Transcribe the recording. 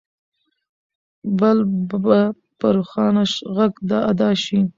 بل به په روښانه غږ ادا شي.